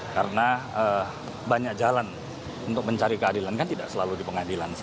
karena banyak jalan untuk mencari keadilan kan tidak selalu di pengadilan saja